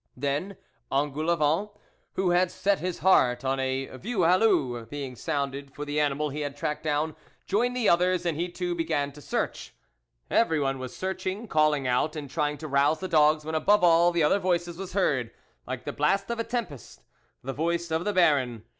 Then Engoulevent, who had set his heart on a view halloo being sounded for the animal he had tracked down, joined the others, and he too began to search. Everyone was searching, calling out and trying to rouse the dogs, when above all the other voices, was heard, like the blast of a tempest, the voice of the Baron.